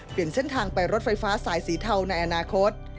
เส้นทางไปรถไฟฟ้าสายสีเทาในอนาคต